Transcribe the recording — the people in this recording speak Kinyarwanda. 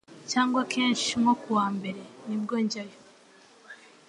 cyangwa kenshi nko kuwa mbere nibwo njyayo